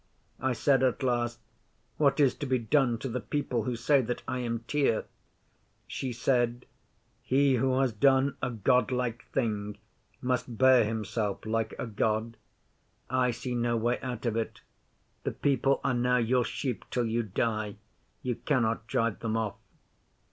'I said at last, "What is to be done to the people who say that I am Tyr?" 'She said, "He who has done a God like thing must bear himself like a God. I see no way out of it. The people are now your sheep till you die. You cannot drive them off."